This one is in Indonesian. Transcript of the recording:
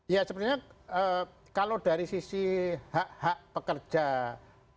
ya sepertinya kalau dari sisi hak hak pekerja pengemudi itu menjadi ranahnya